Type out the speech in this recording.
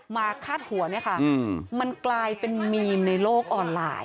คาดหัวเนี่ยค่ะมันกลายเป็นมีมในโลกออนไลน์